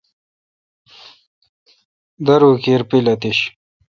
دروکیر پیل اتش۔